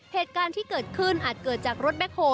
เหตุการณ์ที่เกิดขึ้นอาจเกิดจากรถแคคโฮล